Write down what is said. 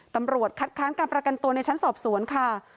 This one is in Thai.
ตำรวจคัดค้านการประกันตัวในชั้นสอบสวนค่ะ